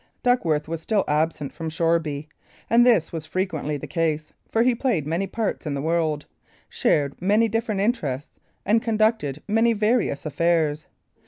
Duckworth was still absent from Shoreby; and this was frequently the case, for he played many parts in the world, shared many different interests, and conducted many various affairs.